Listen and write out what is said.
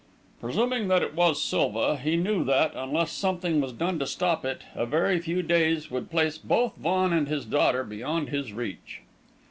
Presuming that it was Silva, he knew that, unless something was done to stop it, a very few days would place both Vaughan and his daughter beyond his reach."